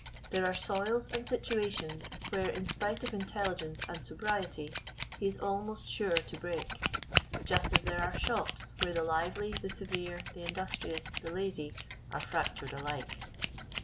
There are soils and situations where, in spite of intelligence and sobriety, he is almost sure to break; just as there are shops where the lively, the severe, the industrious, the lazy, are fractured alike.